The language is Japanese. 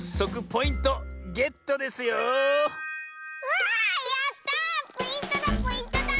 ポイントだポイントだ！